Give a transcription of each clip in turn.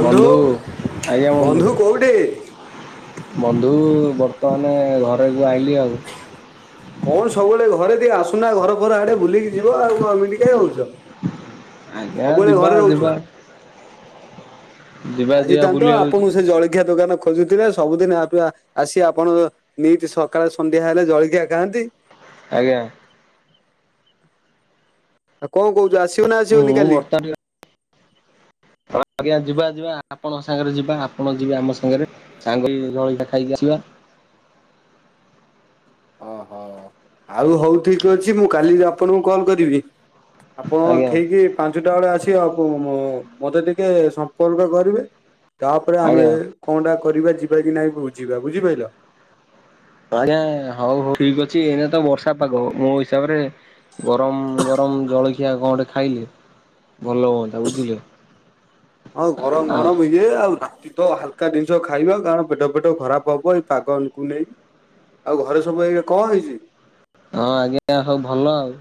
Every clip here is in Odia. ବନ୍ଧୁ। ଆଜ୍ଞା ବନ୍ଧୁ। ବନ୍ଧୁ ବର୍ତ୍ତମାନ ଘରକୁ ଆଇଲିି ଆଉ। କଣ ସବୁବେଳେ ଘରେ ଟିକେ ଆସୁନା ଘର ଫର ଆଡେ ବୁଲିକି ଯିବ। ଆଉ ଏମିତି କାଈଁ ହଉଛ। ଆଜ୍ଞା। ସବୁବେଳେ ଯିବା ଘରେ ରହୁଛ ଯିବା। ଯିବା ଯିବା ଆସିଥାନ୍ତ ବୁଲିବାକୁ ଆପଣଙ୍କୁ ସେ ଜଳଖିଆ ଦୋକାନ ଖୋଜୁଥିଲେ ସବୁଦିନ ଆପ ଆସି ଆପଣ ନିତି ସକାଳେ ସନ୍ଧ୍ୟା ହେଲେ ଜଳଖିଆ ଖାଆନ୍ତି। ଆଜ୍ଞା। ଆଉ କଣ କହୁଛ ଆସିବ ନା ମୁଁ ଆସିବନି କାଲି? ହ ଆଜ୍ଞା ଯିବା ଯିବା ଆପଣଙ୍କ ସାଙ୍ଗରେ ଯିବା। ଆପଣ ଯିବେ ଆମ ସାଙ୍ଗରେ। ସାଙ୍ଗ ହେଇକି ଜଳ ଖିଆ ଖାଇକି ଆସିବା। ଓହୋ। ଆଉ ହଉ ଠିକ୍ ଅଛି ମୁଁ କାଲି ଆପଣଙ୍କୁ କଲ କରିବି? ଆପଣ ଆଜ୍ଞା ଠିକ୍ ପାଞ୍ଚଟା ବେଳେ ଆସି ଆଉ ମତେ ଟିକେ ସମ୍ପର୍କ କରିବେ ତାପରେ ଆମେ ଆଜ୍ଞା। କଣ ଟା କରିବା ଯିବା କି ନାଇଁ ବୁଝିବା ବୁଝିପାରିଲ। ହଉ ହଉ ଠିକ୍ ଅଛି, ଏଇନା ତ ବର୍ଷା ପାଗ। ମୋ ହିସାବରେ ଗରମ ଗରମ ଜଳଖିଆ କଣ ଗଟେ ଖାଇଲେ। ଭଲ ହୁଅ ଆଉ ଗରମ ହଁ ଗରମ ଇଏ ଆଉ ରାତି ତ ହାଲକା ଜିନିଷ ଖାଇବା କାରଣ ପେଟ ପେଟ ଖରାପ ହବ ଏଇ ପାଗକୁ ନେଇ ଆଉ ଘରେ ସବୁ ଏଇ କଣ ହେଇଛି? ହଁ ଆଜ୍ଞା। ସବୁ ଭଲ ଆଉ।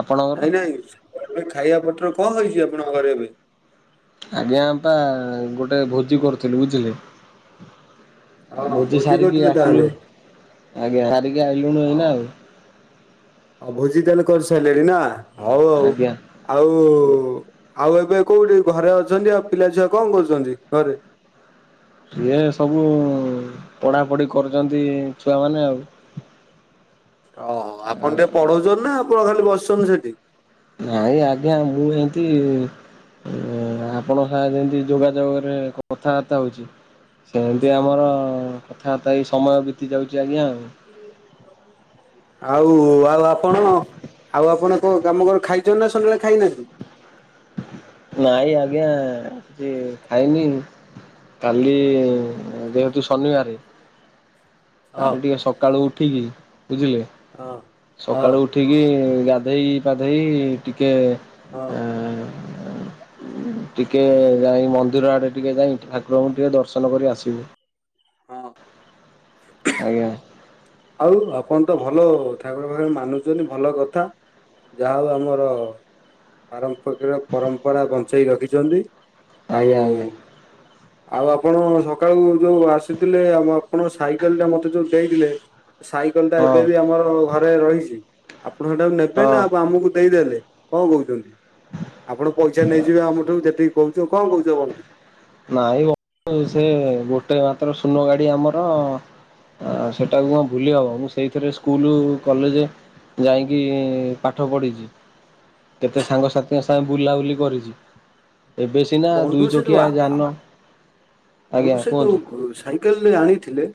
ଆପଣଙ୍କର? ନାଇଁ ନାଇଁ ଖାଇବା ପତ୍ର କଣ ହେଇଛି ଆପଣଙ୍କ ଘରେ ଏବେ? ଆଜ୍ଞା ଆପା ଗୋଟେ ଭୋଜି କରୁଥିଲୁ ବୁଝିଲେ ଆଉ ହଁ ଭୋଜି ସାରିକି କରୁଥିଲେ ଆସିଲୁ। ତାହେଲେ ଆଜ୍ଞା ସାରିକି ଆଇିଲୁଣୁ ହଁ ଏଇନା ଆଉ ଭୋଜି ତାହାଲେ କରିସାରିଲେଣି ନା ହଉ ଆଉ। ଆଜ୍ଞା ଆଉ, ଆଉ ଏବେ କୋଉଠି ଘରେ ଅଛନ୍ତି? ଆଉ ପିଲା ଛୁଆ କଣ କରୁଛନ୍ତି ଘରେ? ସିଏ ସବୁ ପଢାପଢି କରୁଛନ୍ତି ଛୁଆମାନେ ଆଉ। ଓ ହୋ। ଆପଣ ଟିକେ ପଢଉଛନ୍ତି ନା ଆପଣ ଖାଲି ବସିଛନ୍ତି ସେଠି? ନାଇଁ ଆଜ୍ଞା ମୁଁ ଏମତି ଆପଣଙ୍କ ସାଙ୍ଗରେ ଯେମତି ଯୋଗାଯୋଗରେ କଥାବାର୍ତ୍ତା ହଉଛି ସେମିତି ଆମର କଥାବାର୍ତ୍ତା ହେଇ ସମୟ ବିତି ଯାଉଛି ଆଜ୍ଞା, ଆଉ। ଆଉ, ଆଉ ଆପଣ, ଆଉ ଆପଣ କଣ କାମ କର ଖାଇଛନ୍ତି ନା ସନ୍ଧ୍ୟା ବେଳେ ଖାଇନାହାନ୍ତି? ନାଇଁ ଆଜ୍ଞା କିଛି ଖାଇନି। କାଲି ଯେହେତୁ ଶନିବାର। ହଁ କାଲି ଟିକେ ସକାଳୁ ଉଠିକି ବୁଝିଲେ, ହଁ ହଁ ସକାଳୁ ଉଠ ଉଠିକି ଗାଧେଇ ପାଧେଇ ଟିକେ ହଁ। ହୁଁ ଟିକେ ଯାଇ ମନ୍ଦିର ଆଡେ ଟିକେ ଯାଇ, ଠାକୁରଙ୍କୁ ଟିକେ ଦର୍ଶନ କରି ଆସିବୁ। ହଁ। ଆଜ୍ଞା। ଆଉ ଆପଣ ତ ଭଲ ଠାକୁର ପାକୁର ମାନୁଛନ୍ତି ଭଲ କଥା। ଯାହା ହଉ ଆମର ପାରମ୍ ପ୍ରକାର ପରମ୍ପରା ବଞ୍ଚେଇ ରଖିଛନ୍ତି। ଆଉ ଆଜ୍ଞା ଆଜ୍ଞା ଆଉ ଆପଣ ସକାଳୁ ଯୋଉ ଆସିଥିଲେ, ଆଉ ଆପଣ ସାଇକେଲ ଟା ମତେ ଯୋଉ ଦେଇଥିଲେ ସାଇକେଲ ଟା ହଁ ଏବେ ବି ଆମର ଘରେ ରହିଛି। ଆପଣ ସେଟାକୁ ନେବେ ହଁ ନା ଆଉ ଆମକୁ ଦେଇଦେଲେ? କଣ କହୁଛନ୍ତି? ଆପଣ ପଇସା ନେଇଯିବେ ଆମଠୁ ଯେତିକି କହୁଛ କଣ କହୁଛ ବନ୍ଧୁ? ନାଇଁ ସେ ଗୋଟେ ମାତ୍ର ଶୂନ ଗାଡ଼ି ଆମର। ଆ ସେଟାକୁ କଣ ଭୁଲି ହବ ମୁଁ ସେଇଥିରେ ସ୍କୁଲ କଲେଜେ ଯାଇକି ପାଠ ପଢ଼ିଛି। କେତେ ସାଙ୍ଗସାଥିଙ୍କ ସାଙ୍ଗେ ବୁଲାବୁଲି କରିଛି ଏବେ ସିନା ବନ୍ଧୁ ଦୁଇ ସେ ଯୋଉ ଚକିଆ ଆ- [inaudible] ଆଜ୍ଞା ବନ୍ଧୁ ସେ କୁହନ୍ତୁ ଯୋଉ ସାଇକେଲରେ ଆଣିଥିଲେ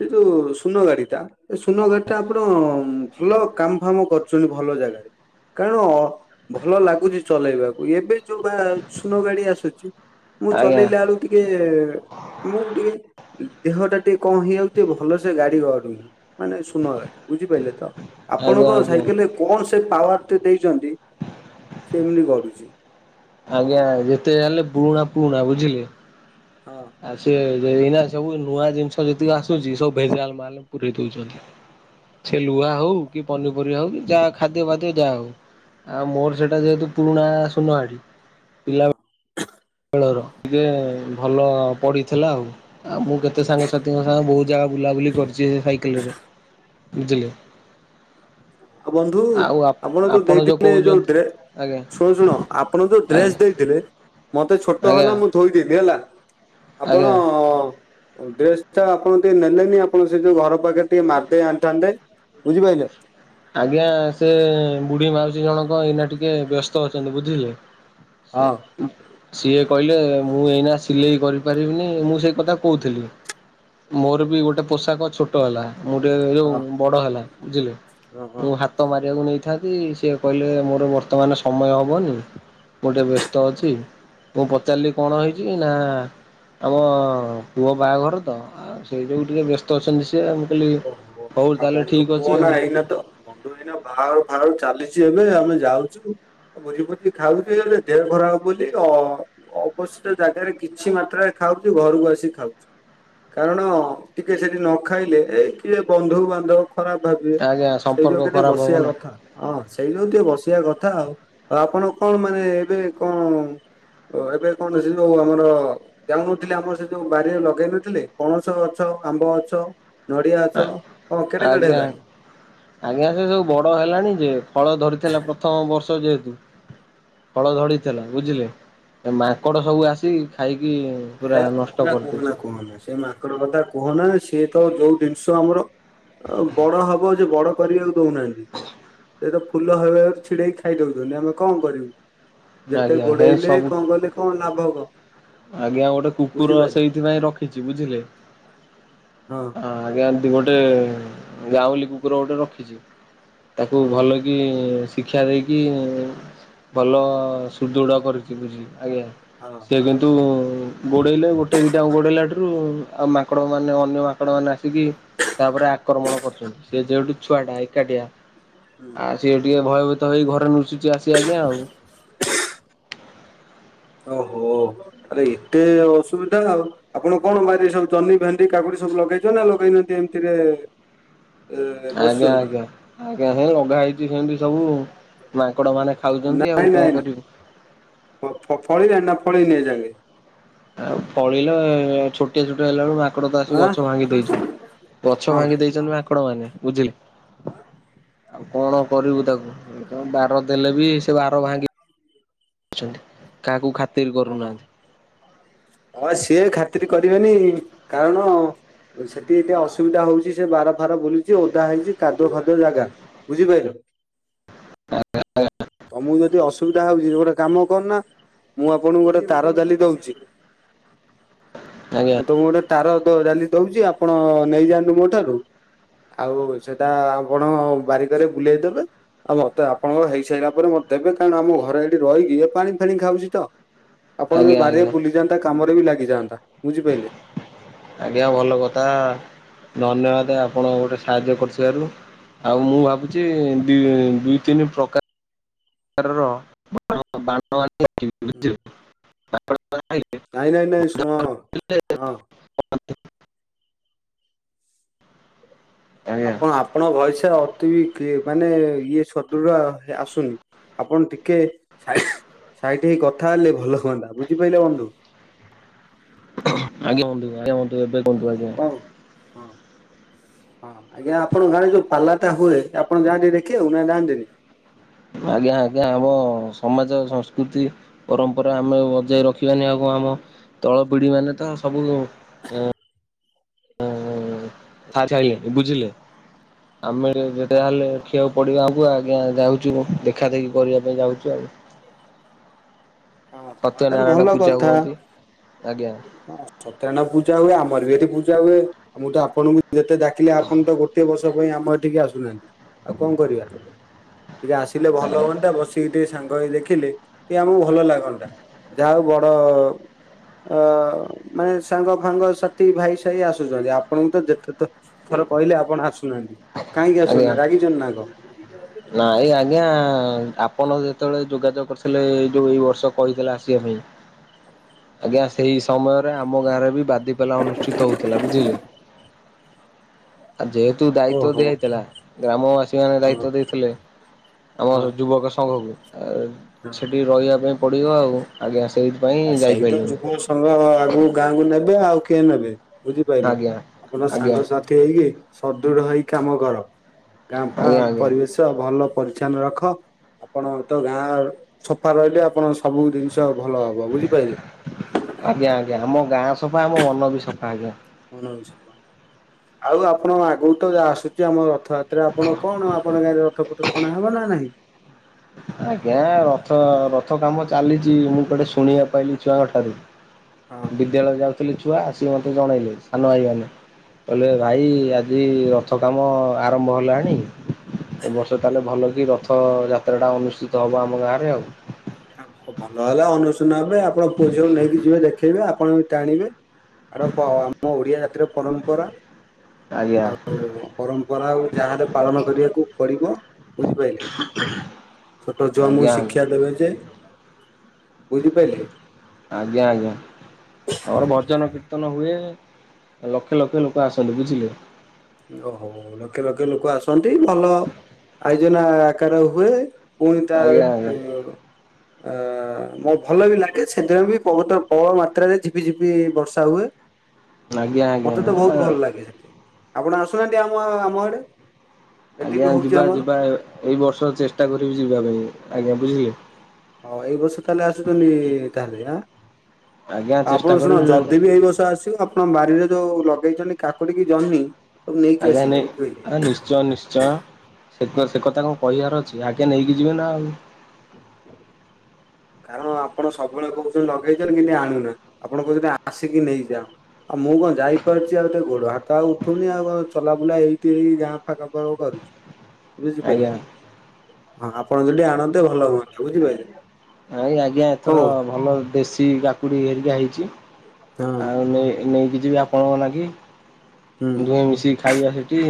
ସେ ଯୋଉ ସୁୂନ ଗାଡ଼ିଟା। ଏ ସୁନଗାଡ଼ିଟା ଆପଣ ଭଲ କାମ ଫାମ କରୁଛନ୍ତି ଭଲ ଜାଗାରେ କାରଣ ଭଲ ଲାଗୁଛି ଚଲେଇବାକୁ ଏବେ ଯୋଉ ବା ସୁନ ଗାଡି ଆସୁଛି। ମୁଁ ଆଜ୍ଞା ଚଲେଇଲା ବେଳକୁ ଟିକେ ଆମକୁ ଟିକେ ଦେହ ଟା ଟିକେ କଣ ହେଇଯାଉଛି ଯେ ଭଲସେ ଗାଡ଼ି ଗଡ଼ୁନି। ମାନେ ସୁନ ଗାଡି ବୁଝିପାରିଲେ ତ ଆଜ୍ଞା ଆପଣଙ୍କ ଆଜ୍ଞା। ସାଇକେଲ ରେ କଣ ସେ ପାୱାର ଟି ଦେଇଛନ୍ତି ସେମିତି ଗଢୁଛି। ଆଜ୍ଞା ଯେତେ ଯାହେଲେ ପୁରୁଣା ପୁରୁଣା ବୁଝିଲେ। ହଁ। ଆଉ ସେ ଏଇନା ସବୁ ନୂଆ ଜିନିଷ ଯେତିକି ଆସୁଛି ସବୁ ଭେଜାଲ୍ ମାଲ୍ ପୁରେଇ ଦଉଛନ୍ତି। ସେ ଲୁହା ହଉ କି ପନିପରିବା ହଉ କି ଯାହା ଖାଦ୍ୟ ଫାଦ୍ୟ ଯାହା ହଉ। ଆଉ ମୋର ସେଇଟା ଯେହେତୁ ପୁରୁଣା ସୁନହାଡ଼ି ପିଲାବେ [inaudible] ରଖିଲେ ଭଲ ପଡ଼ିଥିଲା ଆଉ ଆଉ ମୁଁ କେତେ ସାଙ୍ଗଶାଥିଙ୍କ ସାଙ୍ଗରେ ବହୁତ ଜାଗା ବୁଲାବୁଲି କରିଛି ସାଇକେଲରେ ବୁଝିଲେ। ଆଉ ବନ୍ଧୁ ଆଉ ଆପଣ ଯୋଉ ଦେଇଥିଲେ ଯୋଉ ଡ୍ରେ ଆଜ୍ଞା ଶୁଣ ଶୁଣ ଆପଣ ଯୋଉ ଆଜ୍ଞା ଡ୍ରେସ ଦେଇଥିଲେ। ମତେ ଛୋଟ ଆଜ୍ଞା ହେଲେ ମୁଁ ଥୋଇଦେବି ହେଲା ଆପଣ ଆଜ୍ଞା। ଡେ ସାର୍ ଆପଣ ଟିକେ ନେଲେନି ଆପଣ ସେ ଯୋଉ ଘର ପାଖରେ ଟିକେ ମାରି ଦେଇ ଆଣିଥାନ୍ତି ବୁଝିପାରିଲେ। ଆଜ୍ଞା ସେ ବୁଢ଼ୀ ମାଉସୀ ଜଣକ ଏଇନା ଟିକେ ବ୍ୟସ୍ତ ଅଛନ୍ତି ବୁଝିିଲେ। ସେ ହଁ ସିଏ କହିଲେ ମୁଁ ଏଇନା ସିଲେଇ କରିପାରିବିନି ମୁଁ ସେ କଥା କହୁଥିଲି। ମୋର ବି ଗୋଟେ ପୋଷାକ ଛୋଟ ହେଲା ମୁଁ ଟେ ଯୋଉ ହଁ। ବଡ଼ ହେଲା ବୁଝିଲେ। ଓହୋ। ମୁଁ ହାତ ମାରିବାକୁ ନେଇଥାନ୍ତି ସିଏ କହିଲେ ମୋର ବର୍ତ୍ତମାନ ସମୟ ହବନି। ମୁଁ ଟିକେ ବ୍ୟସ୍ତ ଅଛି। ମୁଁ ପଚାରିଲି କଣ ହେଇଛି ନା ଆମ ପୁଅ ବାହାଘର ତ ଆଉ ସେଇ ଯୋଗୁଁ ଟିକେ ବ୍ୟସ୍ତ ଅଛନ୍ତି ସିଏ। ମୁଁ କହିଲି ଓହୋ ହଉ ଆଉ ତାହେଲେ ବନ୍ଧୁ ଠିକ୍ ଅଛି କୁହନା ଆଉ। ଏଇନା ତ ବନ୍ଧୁ ଭାଇନା ବାହାଘର ଫାଘର ଚାଲିଛି ଏବେ ଆମେ ଯାଉଛୁ। ଆଉ ଭୋଜି ଫୋଜି ଖାଉଛି ହେଉ ୟୁଲେ ଦେହ ଖରାପ ହବ ବୋଲି ହଁ ଅବସିଷ୍ଟ ଜାଗାରେ କିଛି ମାତ୍ରାରେ ଖାଉଛି ଘରକୁ ଆସିକି ଖାଉଛି। କାରଣ ଟିକେ ସେଠି ନ ଖାଇଲେ କିଏ ବନ୍ଧୁବାନ୍ଧବ ଖରାପ ଭାବିବେ ଆଜ୍ଞା ସେଇ ସମ୍ପର୍କ ଯୋଗୁଁ ଟିକେ ଖରାପ ହବ ବସିବା ନା। କଥା। ହଁ ସେଇ ଯୋଗୁଁ ଟିକେ ବସିବା କଥା ଆଉ। ଆଉ ଆପଣ କଣ ମାନେ ଏବେ କଣ ଓ ଏବେ କଣ ସେ ଯୋଉ ଆମର ଯାଉନଥିଲେ ଆମର ସେ ଯୋଉ ବାରିରେ ଲଗେଇ ନଥିଲେ ପଣସ ଗଛ ଗଛ, ଆମ୍ବ ଗଛ, ନଡ଼ିଆ ଗଛ ହଁ, କେଡ଼େ କେଡ଼େ ଆଜ୍ଞା ହେଲାଣି? ଆଜ୍ଞା ସେ ସବୁ ବଡ଼ ହେଲାଣି ଯେ ଫଳ ଧରିଥିଲା ପ୍ରଥମ ବର୍ଷ ଯେହେତୁ ଫଳ ଧଡ଼ିଥିଲା ବୁଝିଲେ ମାଙ୍କଡ଼ ସବୁ ଆସିକି ଖାଇକି ପୁରା ହେ ନଷ୍ଟ କୁହନା- କୁହନା କରିଦେଇଛି। -କୁହନା ସେ ମାଙ୍କଡ଼ କଥା କୁହନା ସିଏ ତ ଯୋଉ ଜିନିଷ ଆମର ଆଉ ବଡ ହବ ଯେ ବଡ଼ କରିବାକୁ ଦଉନାହାନ୍ତି। ସେ ତ ଫୁଲ ହେଲା ବେଳକୁ ଛିଡ଼େଇକି ଖାଇ ଦଉଛନ୍ତି ଆମେ କଣ କରିବୁ? ଯେତେ ଆଜ୍ଞା ହେ ଘୋଡେ଼ଇଲେ ସବୁ କଣ କଲେ କଣ ଲାଭ କଣ? ଆଜ୍ଞା ଗୋଟେ କୁକୁର ବୁଝିପାରିଲେ ସେଇଥିପାଇଁ ରଖିଛୁ ବୁଝିଲେ। ହଁ। ହଁ ଆଜ୍ଞା ଏଠି ଗୋଟେ ଗାଉଁଲି କୁକୁର ଗୋଟେ ରଖିଛୁ। ତାକୁ ହଁ। ଭଲକି କି ଶିକ୍ଷା ଦେଇକି ଭଲ ସୁଦୃଢ କରିଛି ବୁଝ-ଆଜ୍ଞା। ହଁ ସେ ହଁ। କିନ୍ତୁ ମୁଁ ଗୋଡେଇଲେ ଗୋଟେ ଦିଟା ଗୋଡେଇଲାଠରୁ ଆଉ ମାଙ୍କଡ ମାନେ ଅନ୍ୟ ମାଙ୍କଡ ମାନ ଆ ତାପରେ ଆକ୍ରମଣ କରୁଛନ୍ତି। ସେ ଯେଉଠୁ ଛୁଆଟା ଏକାଟିଆ ଆ ସିଏ ଟିକେ ଭୟଭୀତ ହେଇ ଘରେ ନୁଚିଛି ଆସ ଆଜ୍ଞା ଆଉ ଓହୋ ତାହଲେ ଏତେ ଅସୁବିଧା ଆଉ। ଆପଣ କଣ ବାରିରେ ସବୁ ଜହ୍ନି, ଭେଣ୍ଡି, କାକୁଡି ସବୁ ଲଗେଇଛନ୍ତି ନା ଲଗେଇନାହାନ୍ତି ଏମିତିରେ ଏ ଆଜ୍ଞା - ବସିଛନ୍ତି ଆଜ୍ଞା- ଆଜ୍ଞା। ସେ ଲଗା ହେଇଛି ସେମତି ସବୁ ମାଙ୍କଡ ମାନେ ଖାଉଛନ୍ତି ଆଉ ନାଇଁ କଣ -ନାଇଁ କରିବୁ। -, ଫଳିଲାଣି ନା ଫଳିନେଇ ଏଯାକେ? ଆଉ ଫଳିଲେ ଛୋଟିଆ ଛୋଟିଆ ହେଲା ବେଳକୁ ମାକଡ ତ ଆସିକି ଆଁ ଗଛ ଭାଙ୍ଗି ଦେଇଛନ୍ତି ଗଛ ହଁ ଭାଙ୍ଗି ଦେଇଛନ୍ତି ମାଙ୍କଡ ମାନେ ବୁଝିଲେ ଆଉ କଣ କରିବୁ ତାକୁ ବାର ଦେଲେ ବି ସେ ବାର ଭାଙ୍ଗି ଦଉଛନ୍ତି କାହାକୁ ଖାତିର ହଁ। କରୁନାହାନ୍ତି। ହଁ, ସିଏ ଖାତିର କରିବେନି। କାରଣ ସେଠି ଏତେ ଅସୁବିଧା ହଉଛି ସେ ବାର ଫାର ବୁଲୁଛି ଓଦା ହେଇଛି କାଦୁଅ ଫାଦୁଅ ଯାଗା ବୁଝିପାରିଲ ଆଜ୍ଞା ତମକୁ ଯଦି ଅସୁବିଧା ହଉଛି ଗୋଟେ କାମ କରନା ମୁଁ ଆପଣଙ୍କୁ ଗୋଟେ ତାର ଜାଲି ଦଉଛି ଆଜ୍ଞା। ତ ମୁ ଗୋଟେ ତାରଜାଲି ଦଉଛି ଆପଣ ନେଇଯାଆନ୍ତୁ ମୋ ଠାରୁ ଆଉ ସେଟା ଆପଣ ବାରିକରେ ବୁଲେଇଦବେ ଆଉ ମତେ ଆପଣଙ୍କ ହେଇ ସାରିଲା ପରେ ମତେ ଦେବେ କାରଣ ଆମ ଘରେ ଏଇଠି ରହିକି ଏ ପାଣି ଫାଣି ଖାଉଛି ତ ଆପଣ ଙ୍କ ଯଦି ଆଜ୍ଞା ବାରିରେ ଆଜ୍ଞା। ବୁଲିଯାନ୍ତା କାମରେ ବି ଲାଗିଯାଆନ୍ତା ବୁଝିପାରିଲେ? ଆଜ୍ଞା, ଭଲ କଥା ଧନ୍ୟବାଦ ଆପଣ ଗୋଟେ ସାହାଯ୍ୟ କରୁଥିବାରୁ ଆଉ ମୁଁ ଭାବୁଛି ଦୁଇ ତିନି ପ୍ରକାର ପ୍ରକାରର [unintelligible] ଭାଇ। ନାଇଁ ନାଇଁ ନାଇଁ, ଶୁଣ ହଁ ଆଜ୍ଞା ଆପଣ ଆପଣଙ୍କ ଭୟସ ଅତି ବି ମାନେ ଇଏ ସଦୃଢ ଆସୁନି। ଆପଣ ଟିକେ ସାଇ ସାଇଟି ହେଇ କଥା ହେଲେ ଭଲ ହୁଅନ୍ତା ବୁଝିପାଇଲ ବନ୍ଧୁ। ଆଜ୍ଞା ବନ୍ଧୁ ଆଜ୍ଞା ବନ୍ଧୁ ଏବେ କୁହନ୍ତ୍ତ ଆଜ୍ଞା। ହଉ ହଁ। ହଁ ଆଜ୍ଞା ଆପଣଙ୍କ ଗାଁରେ ଯୋଉ ପାଲାଟା ହୁଏ, ଆପଣ ଯାଆନ୍ତି ଦେଖିବାକୁ ନା ଯାଆନ୍ତିନି। ଆଜ୍ଞା ଆଜ୍ଞା ଆମ ସମାଜ ସଂସ୍କୃତି ପରମ୍ପରା ଆମେ ବଜାଇ ରଖିବାନି ଆଉ କଣ ଆମ ତଳ ପିଢି ମାନେ ତ ସବୁ ଆଛା ଇଏ ବୁଝିଲେ। ଆମେ ଯେ ହଁ ଯାହେଲେ ଖିଆକୁ ପଡିବା ଆମକୁ ଆ ଆଜ୍ଞା ଯାଉଛୁ ଦେଖା ଦେଖି କରିବା ପାଇଁ ଯାଉଛୁ ଆଉ। ହଁ ହଁ ଆଉ ତାହେଲେ ଭଲ ସତ୍ୟନାରାୟଣ ପୂଜା ହୁଅନ୍ତି ଆଜ୍ଞା। ସତ୍ୟାରାୟଣ ପୂଜା ହୁଏ ଆମର ବି ଏଠି ପୂଜା ହୁଏ। ମୁଁ ତ ଆପଣଙ୍କୁ ଯେତେ ଡାକିଲେ ଆପଣ ତ ଗୋଟଏ ବର୍ଷ ପାଇଁ ଆମ ଏଠିକି ଆସୁନାହାନ୍ତି ଆଉ କଣ କରିବା। ଟିକେ ଆସିଲେ ଭଲ ହୁଅନ୍ତା ବସିକି ଟିକେ ସାଙ୍ଗ ହେଇ ଦେଖିଲେ ଟିକେ ଆମକୁ ଭଲ ଲାଗନ୍ତା। ଯାହଉ ବଡ ଅ ମାନେ ସାଙ୍ଗ ଫାଙ୍ଗ ସାଥୀ ଭାଇ ସାହି ଆସୁଛନ୍ତି। ଆପଣଙ୍କୁ ତ ଯେତେ ତ ଥର କହିଲେ ଆପଣ ଆସୁନାହାନ୍ତି। କାହିଁକି ଆଜ୍ଞା। ଆସୁନାହାଁନ୍ତି ରାଗିଚନ୍ତି ନା କଣ? ନାଇଁ ଆଜ୍ଞା ଆପଣ ଯେତେବେଳେ ଯୋଗାଯୋଗ କରିଥିଲେ ଏଇ ଯୋଉ ଏଇ ବର୍ଷ କହିଥିଲେ ଆସିବା ପାଇଁ ଆଜ୍ଞା ସେଇ ସମୟରେ ଆମ ଗାଁରେ ବି ବା ଦୀପାଲା ଅନୁଷ୍ଠିତ ହଉଥିଲା ବୁଝିଲେ, ଯେହେ ତିକୁ ଦାୟିତ୍ୱ ଓହୋ ଦିଆହେଇଥିଲା, ଗ୍ରାମବାସୀ ମାନେ ଦାୟ ହଁ ଦେଇଥିଲେ ଆମ ହଁ ଯୁବକ ସଂଘକୁ ଆ ସେଠି ରହିବା ପାଇଁ ପଡ଼ିବ ଆଉ। ଆଜ୍ଞା ସେଇଠି ଆ ସେଇ ତ ଯୁବ ସଂଘକ ଆଗକୁ ଗାଁକୁ ନେବେ ଆଉ କିଏ ନେବେ ବୁଝିପାଇଲ ଆଜ୍ଞା। ଆପଣ ଆଜ୍ଞା ସାଙ୍ଗସାଥ ଥି ହେଇକି ସଦୃଢ ହେଇ କାମ କର ଗାଁ ଫାଁ ଆଜ୍ଞା ଆଜ୍ଞା ପରିବେଶ ତ ଭଲ ପରିଚ୍ଛନ୍ନ ରଖ ଆପଣ ତ ଗାଁ ସଫା ରହିଲେ ଆପଣ ସବୁ ଦିନଷ ଭଲ ହବ ବୁଝିପାଇଲେ। ଆଜ୍ଞା ଆଜ୍ଞା ଆମ ଗାଁ ସଫା ଆମ ମନ ବି ସଫା ଆଜ୍ଞା। ମନ ବି ସଫା ଆଉ ଆପଣ ଆଗକୁ ତ ଏ ଆସୁଚି ଆମ ରଥଯାତ୍ରା ଆପଣ କଣ ଆ ଆପଣଙ୍କ ଗାଁରେ ରଥପଥ ଟଣା ହବ ନା ନାହିଁ? ଆଜ୍ଞା ରଥ ରଥ କାମ ଚାଲିଚି ମୁଁ କୁଆଡେ ଶୁଣିବା ପାଇଲି ଛୁଆଙ୍କ ଠାରୁ। ହଁ। ବିଦ୍ୟାଳୟ ଯାଉଥିଲେ ଛୁଆ ଆସିକି ମତେ ଜଣେଇଲେ ସାନ ଭାଇମାନେ। କହିଲେ ଭାଇ ଆଜି ରଥ କାମ ଆରମ୍ଭ ହେଲାଣି ଏବର୍ଷ ତାହେଲେ ଭଲ କି ରଥ ଯାତ୍ରାଟା ଅନୁଷ୍ଠିତ ହବ ଆମ ଗାଁରେ ଆଉ। ଆ ଭ ଭଲ ହେଲା ଅନୁଶୂନା ହେବେ ଆପଣ ପୁଅ ଝିଅକୁ ନେଇକି ଯିବେ ଦେଖେଇବେ ଆପଣ ବି ଟାଣିବେ। ଆଡ କ ଆମ ଓଡିଆ ଜାତିର ପରମ୍ପରା। [inaudible] ଆଉ ପରମ୍ପରା ଆଉ ଯାହାହେଲେ ପାଳନ କରିବାକୁ ପଡିବ ବୁଝିପାଇଲେ। ଛୋଟ ଛୁଆ ଆମକୁ ଆଜ୍ଞା ଶିକ୍ଷା ଦେବେ ଯେ ବୁଝିପାଇଲେ। ଆଜ୍ଞା ଆଜ୍ଞା। ଆମର ଭଜନ କୀର୍ତ୍ତନ ହୁଏ ଲକ୍ଷ ଲକ୍ଷ ଲୋକ ଆସନ୍ତି ବୁଝିଲେ। ଓହୋ ଲକ୍ଷେ ଲକ୍ଷେ ଲୋକ ଆସନ୍ତି ଭଲ ଆୟୋଜନା ଆକାର ହୁଏ। ପୁଣି ତା ଆଜ୍ଞା ଆଜ୍ଞା। ତି ଆ ଅ ମୁଁ ଭଲ ବି ଲାଗେ ସେଦିନ ବି ବୋହୁତ ପବଳ ମାତ୍ରାରେ ଝିପି ଝିପି ବର୍ଷା ହୁଏ। ଆଜ୍ଞା ମତେ ତ ବୋହୁତ ଆଜ୍ଞା ଭଲ ଲାଗେ ହେଠି ଆପଣ ଆସୁନାହାନ୍ତି ଆମ ଆ ଆମ ଆଡେ। ଏଠି ବି ଆଜ୍ଞା ହଉଛି ଯିବା ଆମର। ଯିବ ଏଇ ବର୍ଷ ଚେଷ୍ଟା କରିବି ଯିବା ପାଇଁ ଆଜ୍ଞା ବୁଝିଲେ। ହୋଉ ଏଇ ବର୍ଷ ତାହେଲେ ଆସୁଚନ୍ତି ତାହେଲେ ଆ ଆଜ୍ଞା ଚେଷ୍ଟା ଆପଣ ଶୁଣ କରିବି ଯଦି ବି ଏଇ ବର୍ଷ ଆସିବ ଆ ଆପଣ ବାରିରେ ଯୋଉ ଲଗେଇଚନ୍ତି କାକୁଡିକି ଜହ୍ନି ସବୁ ନେଇକି ଆଜ୍ଞା ଆସିବେ ବୁଝିପାରିଲେ ନେଇ ନିଶ୍ଚୟ ନିଶ୍ଚୟ। ସେ କ ସେ କଥା କଣ କହିବାର ଅଛି ଆଗେ ନେଇକି ଯିବେ ନା ଆଉ। କାରଣ ଆପଣ ସବୁବେଳେ କୋହୁଚନ୍ତି ଲଗେଇଚନ୍ତି କିନ୍ତୁ ଆଣୁନା ଆପଣ କୋହୁଚନ୍ତି ଆ ଆସିକି ନେଇଯାଅ। ଆଉ ମୁଁ କଣ ଯାଇପାରୁଚି ଆଉ ତା ଗୋଡ ହା ତ ଆଉ ଉଠୁନି ଆଉ କ ଚଲାବୁଲା ଏଇଠି ଏଇ ଗାଁ ପାଖା ପାଖ କରୁଚି। ଆଜ୍ଞା। ବୁଝିପାଇଲେ ହଁ ଆପଣ ଯଦି ଆଣନ୍ତେ ଭଲ ହୁଅନ୍ତା ବୁଝିପାଇଲେ। ନାଇ ଆଜ୍ଞା ଏଥର ଭଲ ଦେଶୀ କାକୁଡି ହେରିକା ହେଇଚି ହଁ ଆଉ ନେଇ ନେଇକି ଯିବି ଆପଣଙ୍କ ନାଗି ହୁଁ। କିି ଦୁହିଁ ମିଶିକି ଖାଇବା ସେଇଠି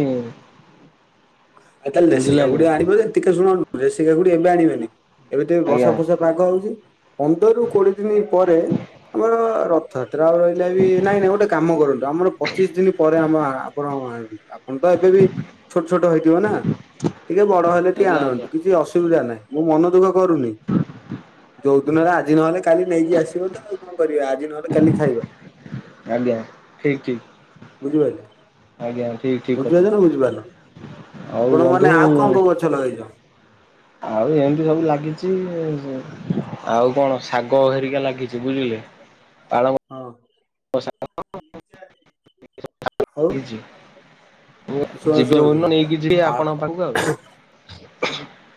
ଆଉ ତାହେଲେ ଦେଶୀ କାକୁଡି ଆଜ୍ଞା ଆଣିବ ଯେ ଟିକେ ଶୁଣ ଦେଶୀ କାକୁଡି ଏବେ ଆଣିବେନି ଏବେ ତ ବର୍ଷା ଆଜ୍ଞା ଫର୍ସା ରାଗ ହୋଉଚି ପନ୍ଦରରୁ କୋଡିଏ ଦିନି ପରେ ଆମର ର ରଥଯାତ୍ରା ଆଉ ରହିଲା ବି ନାଇଁ ନାଇଁ ଗୋଟେ କାମ କରନ୍ତୁ ଆମର ପଚିଶ ଦିନି ପରେ ଆମ ଆ ପଣ ଏ ବି ଆପଣ ତ ଏବେ ବି ଛୋଟ ଛୋଟ ହେଇଥିବ ନା। ଟିକେ ବଡ ହେଲେ ଟିକେ ଆଜ୍ଞା ଆଣନ୍ତୁ ଆଜ୍ଞା କିଛି ଅସୁବିଧା ନାହିଁ। ମୁଁ ମନ ଦୁଃଖ କରୁନି ଯୋଉ ଦିନରେ ଆଜି ନହେଲେ କାଲି ନେଇକି ଆସିବ ତ ଆଉ କଣ କରିବେ ଆଜି ନହେଲେ କାଲି ଖାଇବ। ଆଜ୍ଞା ଠିକ ଠିକ। ବୁଝିପାଇଲେ ଠିକ୍ କଥା ବୁଝିପାରୁଚ ନା ବୁଝିପାରୁନ। ଆଉ ବନ୍ଧୁ ଆପଣମାନେ ଆଉ କଣ କଣ ଗଛ ଲଗେଇଚ? ଆଉ ଏମତି ସବୁ ଲାଗିଚି ଏ ସେ ଆଉ କଣ ଶାଗ ହେରିକା ଲାଗିଛି ବୁଝିଲେ ପାଳଙ୍ଗ ହଉ ମୁଁ ଶୁଣ ଯିବି ଶୁଣ ଶୁଣ ଯୋଉଦିନ ନେଇକି ଯିବି ଆ ଆପଣଙ୍କ ପାଖକୁ ଆଉ [inaudible]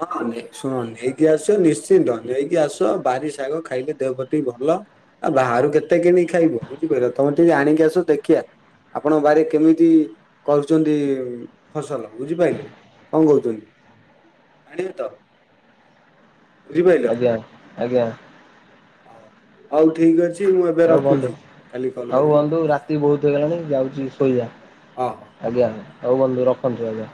ହଁ ନେଇ ଶୁଣ ନେଇକି ଆସ ନିଶ୍ଚିନ୍ତ ନେଇକି ଆସ ବାରି ଶାଗ ଖାଇଲେ ଦେହ ପ୍ରତି ଭଲ ଆ ବାହାରୁ କେତେ କିଣିକି ଖାଇବ ବୁଝିପାରିଲ ତମ ଟିକେ ଆଣିକି ଆସ ଦେଖିବା ଆପଣଙ୍କ ବାରି ରେ କେମିତି କରୁଛନ୍ତି ଫସଲ ବୁଝିପାଇଲେ କଣ କହୁଛନ୍ତି ଆଣିବେ ତ ବୁଝିପାଇଲ। ଆଜ୍ଞା ଆଜ୍ଞା ହଉ ଠିକ ଅଛି ମୁଁ ଏବେ ଆଉ ବନ୍ଧୁ। ରଖୁଛି କାଲି କଲ ହଉ କରିବି ଆଉ ବନ୍ଧୁ ରାତି କଥା ବହୁତ ହବା ହେଇଗଲାଣି ଯାଉଛି ଶୋଇବା ହଁ ହଁ। ଆଜ୍ଞା ହଉ ବନ୍ଧୁ ରଖନ୍ତୁ ଆଜ୍ଞା